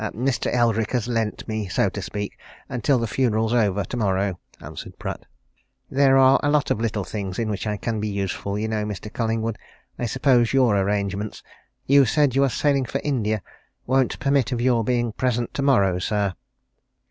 "Mr. Eldrick has lent me so to speak until the funeral's over, tomorrow," answered Pratt. "There are a lot of little things in which I can be useful, you know, Mr. Collingwood. I suppose your arrangements you said you were sailing for India won't permit of your being present tomorrow, sir?"